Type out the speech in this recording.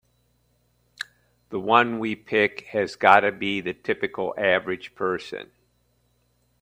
The one we pick has gotta be the typical average person.